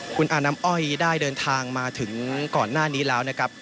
คุณอาน้ำอ้อยได้เดินทางมาถึงก่อนหน้านี้แล้วนะครับ